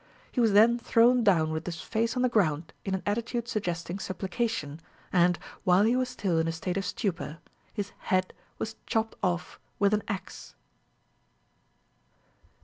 He was then thrown down with his face on the ground in an attitude suggesting supplication, and, while he was still in a state of stupor, his head was chopped off with an axe.